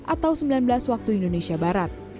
atau sembilan belas waktu indonesia barat